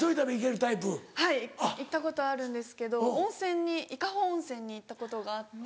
行ったことあるんですけど温泉に伊香保温泉に行ったことがあって。